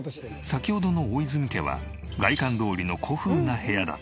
先ほどの大泉家は外観どおりの古風な部屋だったが。